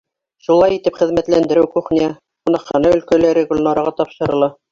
Шулай итеп, хеҙмәтләндереү, кухня, ҡунаҡхана өлкәләре Гөлнараға тапшырыла.